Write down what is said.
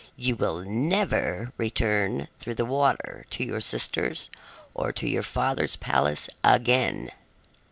You will never return through the water to your sisters or to your father's palace again.